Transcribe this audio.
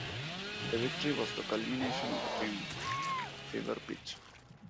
This victory was the culmination of the film Fever Pitch.